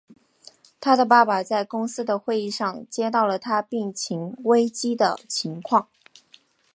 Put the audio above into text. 他的爸爸在公司的会议上接到了他病情危机的情况。